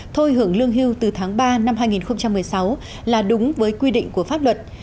thôi hưởng lương hưu từ tháng ba năm hai nghìn một mươi sáu là đúng với quy định của pháp luật